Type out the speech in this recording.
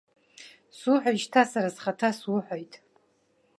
Суҳәоит шьҭа, сара схаҭа суҳәоит.